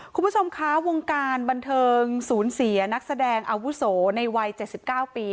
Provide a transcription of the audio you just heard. คุณผู้ชมคะวงการบันเทิงศูนย์เสียนักแสดงอาวุโสในวัย๗๙ปี